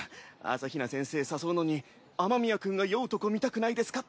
朝日奈先生誘うのに「雨宮君が酔うとこ見たくないですか？」